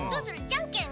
じゃんけん？